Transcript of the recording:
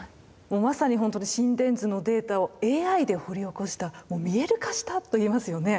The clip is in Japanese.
もうまさにほんとに心電図のデータをＡＩで掘り起こしたもう見える化したと言えますよね。